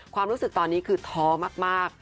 ความรู้สึกตอนนี้คือท้อมาก